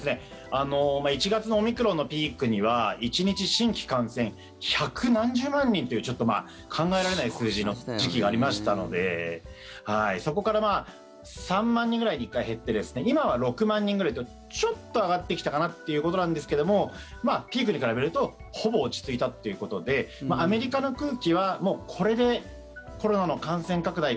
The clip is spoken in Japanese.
１月のオミクロンのピークには１日、新規感染１００何十万人という考えられない数字の時期がありましたのでそこから３万人ぐらいに１回減って今は６万人ぐらいとちょっと上がってきたかなっていうことなんですけどもピークに比べるとほぼ落ち着いたということでアメリカの空気はこれでコロナの感染拡大